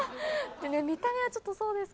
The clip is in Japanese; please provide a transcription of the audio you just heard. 見た目はちょっとそうですけど。